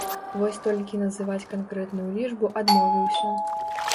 Вось толькі называць канкрэтную лічбу адмовіўся.